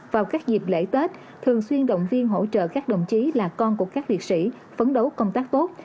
vào các dịp lễ tết thường xuyên động viên hỗ trợ các đồng chí là con của các liệt sĩ phấn đấu công tác tốt